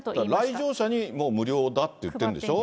来場者に無料だっていってるんでしょう。